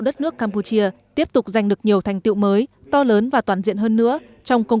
đất nước campuchia tiếp tục giành được nhiều thành tiệu mới to lớn và toàn diện hơn nữa trong công